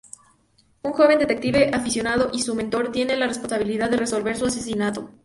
Un joven detective aficionado y su mentor tienen la responsabilidad de resolver su asesinato.